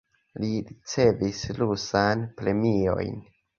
Li ricevis rusan premiojn.